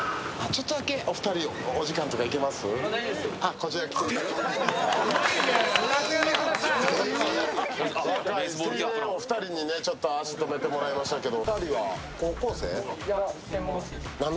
こちらのお二人に足止めてもらいましたけど。